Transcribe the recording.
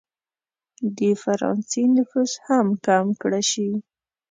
د فرانسې نفوذ هم کم کړه شي.